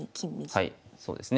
はいそうですね